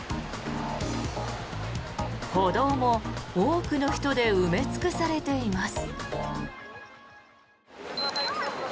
歩道も多くの人で埋め尽くされています。